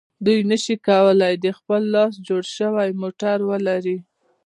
دوی نشي کولای د خپل لاس جوړ شوی موټر ولري.